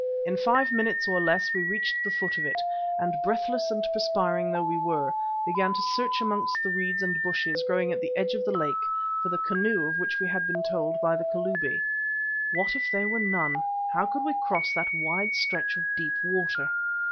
In five minutes or less we reached the foot of it, and, breathless and perspiring though we were, began to search amongst the reeds and bushes growing at the edge of the lake for the canoe of which we had been told by the Kalubi. What if there were none? How could we cross that wide stretch of deep water?